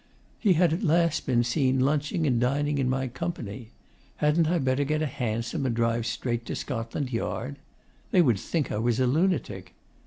He had last been seen lunching and dining in my company. Hadn't I better get a hansom and drive straight to Scotland Yard?... They would think I was a lunatic.